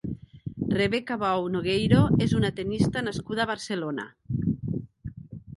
Rebeca Bou Nogueiro és una tennista nascuda a Barcelona.